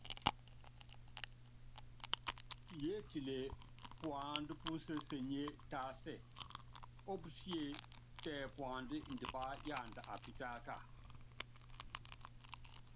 Yiétile puandá púnsésenie tásɛ ópusíé tɛ puandá indipá yanda apítáka.